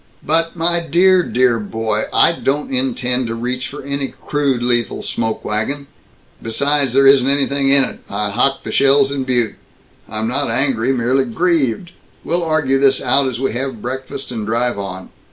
"But, my dear, dear boy, I don't intend to reach for any crude lethal smoke wagon. Besides, there isn't anything in it. I hocked the shells in Butte. I am not angry, merely grieved. We'll argue this out as we have breakfast and drive on.